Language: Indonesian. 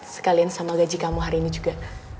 sekalian sama gaji kamu hari ini juga